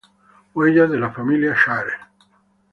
Huellas de la Familia Schaerer.